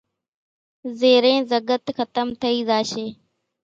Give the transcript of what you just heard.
زيرين زڳت کتم ٿئي زاشي